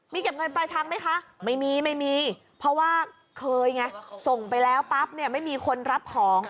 มีเก็บเงินปลายทางไหมคะไม่มีไม่มีเพราะว่าเคยไงส่งไปแล้วปั๊บเนี่ยไม่มีคนรับของ